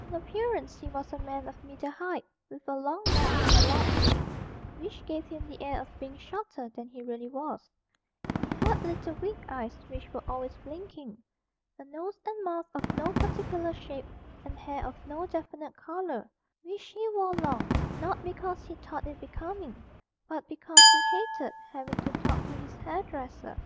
In appearance he was a man of middle height, with a long neck and a large head, which gave him the air of being shorter than he really was; he had little weak eyes which were always blinking, a nose and mouth of no particular shape, and hair of no definite colour, which he wore long not because he thought it becoming, but because he hated having to talk to his hairdresser.